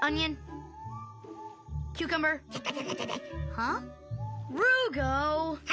はあ？